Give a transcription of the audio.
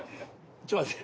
ちょっと待って。